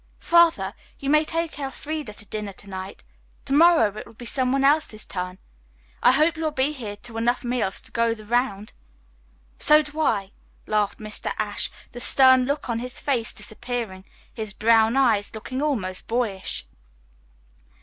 "Father, you may take Elfreda in to dinner to night. To morrow it will be some one else's turn. I hope you will be here to enough meals to go the round." "So do I," laughed Mr. Ashe, the stern look on his face disappearing, his brown eyes looking almost boyish.